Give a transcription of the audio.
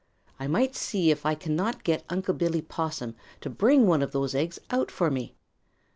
I might see if I cannot get Unc' Billy Possum to bring one of those eggs out for me.